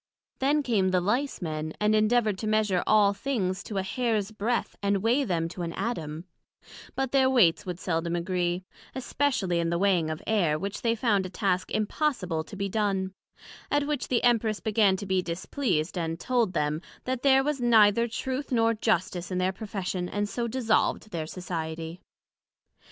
Then came the Lice men, and endeavoured to measure all things to a hairs breadth, and weigh them to an Atom; but their weights would seldom agree, especially in the weighing of Air, which they found a task impossible to be done; at which the Empress began to be displeased, and told them, that there was neither Truth nor Justice in their Profession; and so dissolved their society.